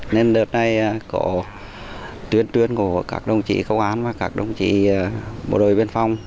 nên đợt này có tuyên truyền của các đồng chí công an và các đồng chí bộ đội biên phòng